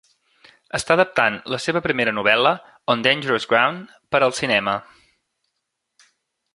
Està adaptant la seva primera novel·la, "On Dangerous Ground", per al cinema.